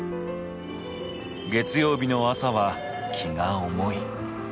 月曜日の朝は気が重い。